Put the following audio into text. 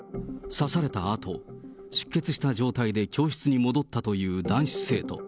刺されたあと、出血した状態で教室に戻ったという男子生徒。